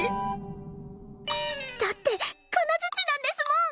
だってカナヅチなんですもん！